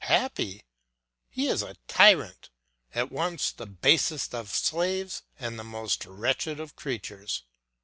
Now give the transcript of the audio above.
Happy! He is a tyrant, at once the basest of slaves and the most wretched of creatures.